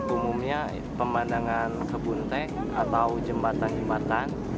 umumnya pemandangan kebun teh atau jembatan jembatan